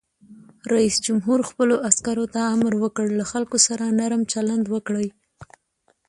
رئیس جمهور خپلو عسکرو ته امر وکړ؛ له خلکو سره نرم چلند وکړئ!